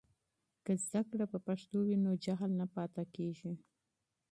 که علم په پښتو وي نو جهل نه پاتې کېږي.